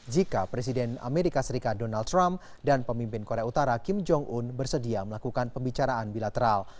jika presiden amerika serikat donald trump dan pemimpin korea utara kim jong un bersedia melakukan pembicaraan bilateral